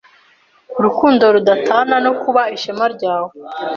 urukundo rudatana no kuba ishema ryawe